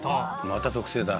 また特製だ。